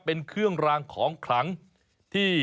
เป็นเครื่องรางของขลังที่